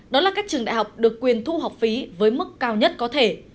đó là các trường đại học được quyền thu học phí với mức cao nhất có thể